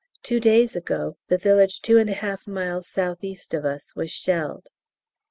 Two days ago the village two and a half miles south east of us was shelled.